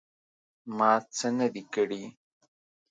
_ما څه نه دي کړي.